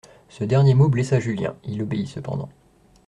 Ce dernier mot blessa Julien, il obéit cependant.